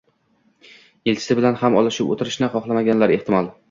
elchisi bilan ham olishib o'tirishni xohlamagandir. Ehtimol...